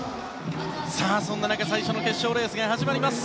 さあ、そんな中、最初の決勝レースが始まります。